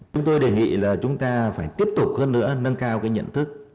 chúng tôi đề nghị là chúng ta phải tiếp tục hơn nữa nâng cao cái nhận thức